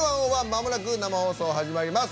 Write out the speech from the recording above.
まもなく生放送、始まります。